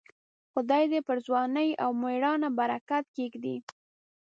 خدای دې پر ځوانۍ او مړانه برکت کښېږدي.